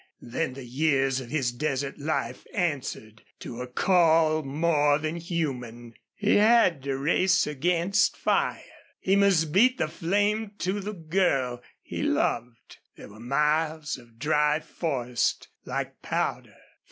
Then the years of his desert life answered to a call more than human. He had to race against fire. He must beat the flame to the girl he loved. There were miles of dry forest, like powder.